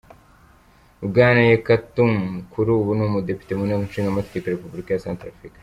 Bwana Yekatom kuri ubu ni umudepite mu nteko ishingamategeko ya Repubulika ya Centrafrique.